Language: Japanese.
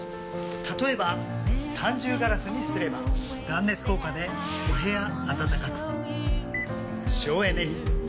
例えば三重ガラスにすれば断熱効果でお部屋暖かく省エネに。